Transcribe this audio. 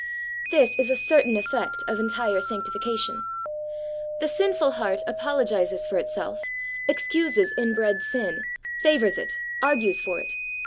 ' This is a certain effect of entire Sanc tification. The sinful heart apologizes for itself, excuses inbred sin, favours it, argues for it.